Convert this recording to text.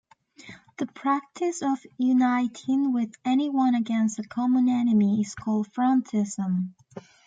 The practice of uniting with anyone against a common enemy is called frontism.